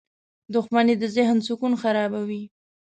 • دښمني د ذهن سکون خرابوي.